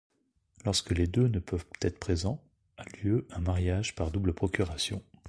Lorsque les deux ne peuvent être présents, a lieu un mariage par double procuration.